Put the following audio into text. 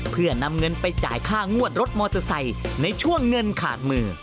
เพื่อนำเงินไปจ่ายค่างวดรถมอเตอร์ไซค์ในช่วงเงินขาดมือ